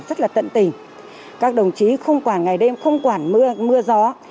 rất là tận tình các đồng chí không quản ngày đêm không quản mưa gió